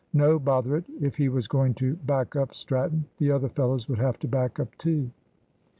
No, bother it; if he was going to "back up" Stratton, the other fellows would have to back up too.